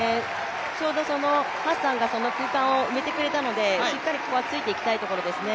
ちょうどハッサンがその空間を埋めてくれたのでしっかりとここはついていきたいところですね。